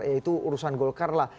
yaitu urusan golkar lah